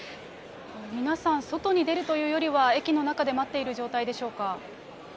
皆さん、外に出るというよりは、駅の中で待っている状態でしょうか。